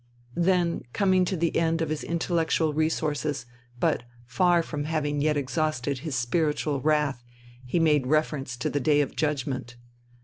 Then, coming to the end of his intellectual resources, but far from having yet exhausted his spiritual wrath, he made reference to the Day of Judgment.